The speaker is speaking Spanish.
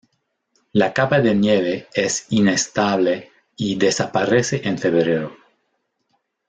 La capa de nieve es inestable y desaparece en febrero.